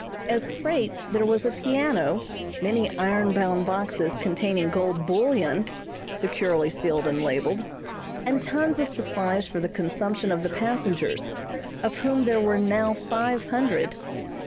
As freight, there was a piano, many iron bound boxes containing gold bullion, securely sealed and labeled, and tons of supplies for the consumption of the passengers, of whom there were now five hundred.